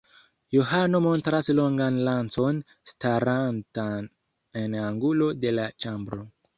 Johano montras longan lancon starantan en angulo de la ĉambro.